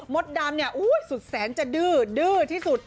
มดดำสุดแสนจะดืดที่สุด